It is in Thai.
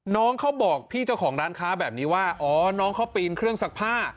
น้องเขาบอกพี่เจ้าของร้านค้าแบบนี้ว่าอ๋อน้องเขาปีนเครื่องซักผ้า